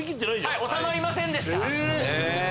はい収まりませんでした。